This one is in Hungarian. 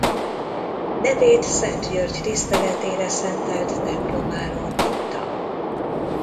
Nevét Szent György tiszteletére szentelt templomáról kapta.